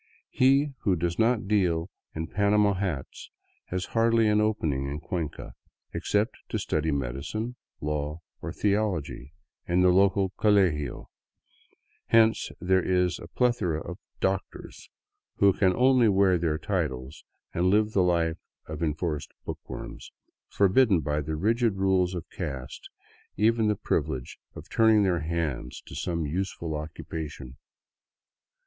He who does not deal in " panama " hats has hardly an opening in Cuenca, except to study medicine, law, or theology in the local colegio; hence there is a plethora of " doctors " who can only wear their titles and live the life of enforced bookworms, forbidden by the rigid rules of caste even the privilege of turning their hands to some useful occupation.